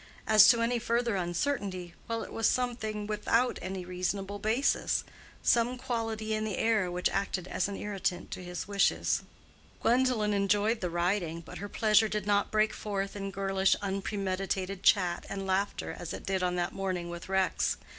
As to any further uncertainty—well, it was something without any reasonable basis, some quality in the air which acted as an irritant to his wishes. Gwendolen enjoyed the riding, but her pleasure did not break forth in girlish unpremeditated chat and laughter as it did on that morning with Rex.